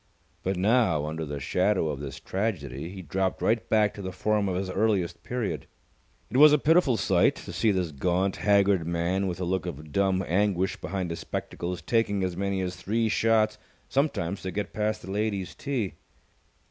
But now, under the shadow of this tragedy, he dropped right back to the form of his earliest period. It was a pitiful sight to see this gaunt, haggard man with the look of dumb anguish behind his spectacles taking as many as three shots sometimes to get past the ladies' tee.